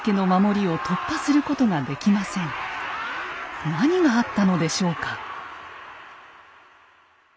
源氏は何があったのでしょうか？